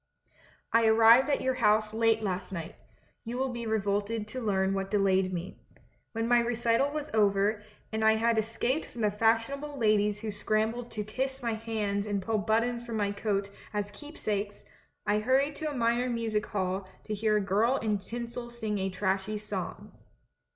"I arrived at your house late last night. You will be revolted to learn what delayed me. When my recital was over, and I had escaped from the fashionable ladies who scrambled to kiss my hands and pull buttons from my coat as keep sakes, I hurried to a minor music hall to hear a girl in tinsel sing a trashy song.